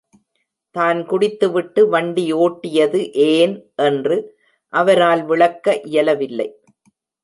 தான் குடித்துவிட்டு வண்டி ஓட்டியது ஏன் என்று அவரால் விளக்க இயலவில்லை